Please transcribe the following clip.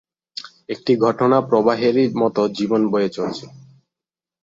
একটি ঘটনা প্রবাহেরই মত জীবন বয়ে চলেছে।